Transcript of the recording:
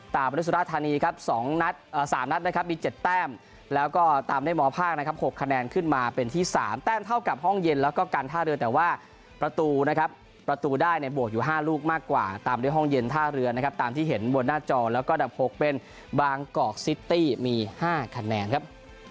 บริสุราธานีครับ๒นัด๓นัดนะครับมี๗แต้มแล้วก็ตามได้มภาคนะครับ๖คะแนนขึ้นมาเป็นที่๓แต้มเท่ากับห้องเย็นแล้วก็การท่าเรือแต่ว่าประตูนะครับประตูได้เนี่ยบวกอยู่๕ลูกมากกว่าตามด้วยห้องเย็นท่าเรือนะครับตามที่เห็นบนหน้าจอแล้วก็ดับ๖เป็นบางกอกซิตี้มี๕คะแนนครับ